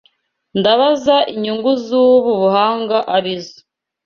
Ndabaza inyungu zubu buhanga arizo.